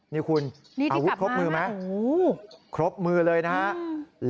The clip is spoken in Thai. นี่คุณอาวุธครบมือไหมครบมือเลยนะครับนี่ที่กลับมาโอ้โฮ